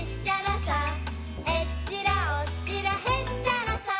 「えっちらおっちらへっちゃらさ」